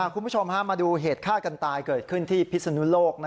คุณผู้ชมมาดูเหตุฆ่ากันตายเกิดขึ้นที่พิศนุโลก